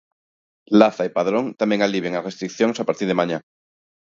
Laza e Padrón tamén alivian as restricións a partir de mañá.